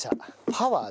パワー。